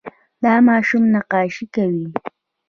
دا ماشوم نقاشي کوي.